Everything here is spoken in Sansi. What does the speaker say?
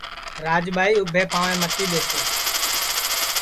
راجٻائی اُٻھے پاںٚوے متی ٻیسے